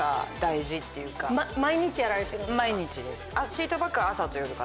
毎日やられてるんですか？